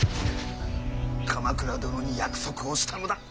鎌倉殿に約束をしたのだ。